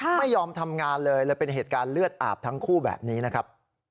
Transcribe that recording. ไม่ยอมทำงานเลยเลยเป็นเหตุการณ์เลือดอาบทั้งคู่แบบนี้นะครับ